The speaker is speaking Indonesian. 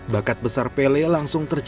bakat besar pele langsung tercapai